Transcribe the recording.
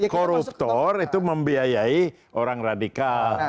koruptor itu membiayai orang radikal